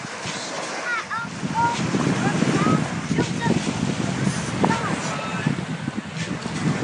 My uncle woke, rubbed his eyes, and jumped up in astonishment.